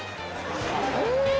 うん！